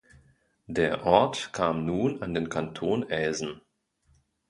Der Ort kam nun an den Kanton Elsen.